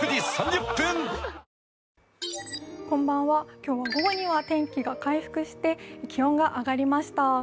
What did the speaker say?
今日は午後には天気が回復して気温が上がりました。